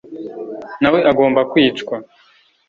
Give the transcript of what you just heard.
na we agomba kwicwa.